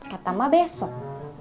kata emak besok